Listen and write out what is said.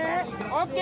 ・・ＯＫ！